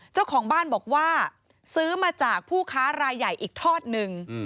เจ้าของบ้านบอกว่าซื้อมาจากผู้ค้ารายใหญ่อีกทอดหนึ่ง